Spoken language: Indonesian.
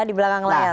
di belakang layar